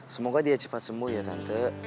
semoga dia cepat sembuh ya tante